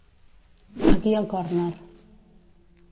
Aquí al còrner.